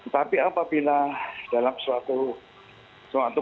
tapi apabila dalam suatu